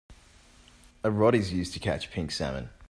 A rod is used to catch pink salmon.